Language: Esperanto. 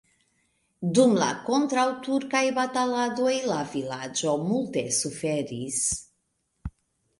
Dum la kontraŭturkaj bataladoj la vilaĝo multe suferis.